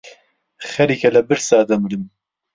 خەریکە لە برسا دەمرم.